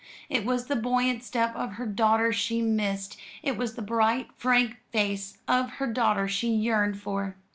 It was the buoyant step of her daughter she missed; it was the bright frank face of her daughter she yearned for.